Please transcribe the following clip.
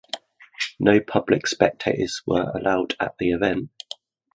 No public spectators were allowed at the event.